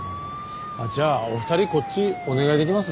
じゃあお二人こっちお願いできます？